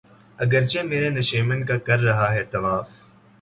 اگرچہ میرے نشیمن کا کر رہا ہے طواف